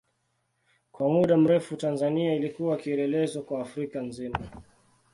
Kwa muda mrefu Tanzania ilikuwa kielelezo kwa Afrika nzima.